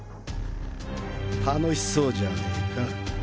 楽しそうじゃねぇか。